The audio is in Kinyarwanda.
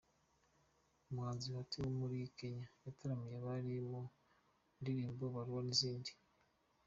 Umuhanzi Bahati wo muri Kenya yataramiye abari aho mu ndirimbo Barua n'izindi.